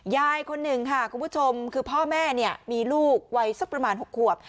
ยายคนหนึ่งค่ะคุณผู้ชมคือพ่อแม่เนี่ยมีลูกวัยสักประมาณ๖ขวบ